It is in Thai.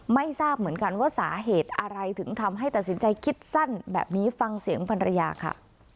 ไม่ทราบเหมือนกันว่าสาเหตุอะไรถึงทำให้ตัดสินใจคิดสั้นแบบนี้ฟังเสียงภรรยาค่ะ